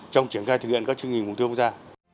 trong triển khai thực hiện các chương trình mục tiêu quốc gia